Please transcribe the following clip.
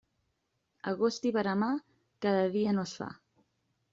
Agost i veremar, cada dia no es fa.